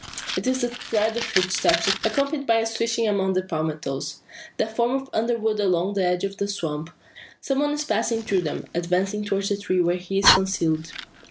It is the tread of footsteps, accompanied by a swishing among the palmettoes, that form an underwood along the edge of the swamp. Some one is passing through them, advancing towards the tree where he is concealed.